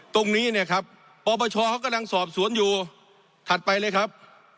ตรงนี้เนี่ยครับปปชเขากำลังสอบสวนอยู่ถัดไปเลยครับ